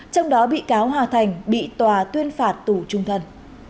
trong đó bị cáo hòa thành bị tòa tuyên phạt tù trung thân